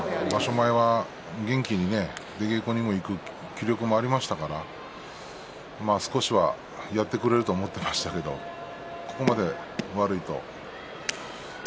前は元気に出稽古にも行く気力もありましたから少しは、やってくれると思っていましたけれどここまで悪いとは。